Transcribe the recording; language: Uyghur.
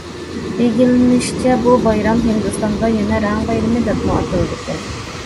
ئىگىلىنىشىچە، بۇ بايرام ھىندىستاندا يەنە« رەڭ بايرىمى» دەپمۇ ئاتىلىدىكەن.